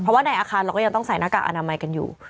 เพราะว่าในอาคารเราก็ยังต้องใส่หน้ากากอนามัยกันอยู่